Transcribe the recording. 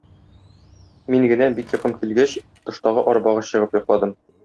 Мин генә, бик йокым килгәч, тыштагы арбага чыгып йокладым.